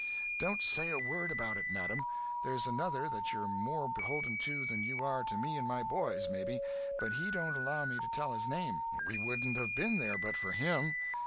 "Don't say a word about it, madam. There's another that you're more beholden to than you are to me and my boys, maybe, but he don't allow me to tell his name. We wouldn't have been there but for him."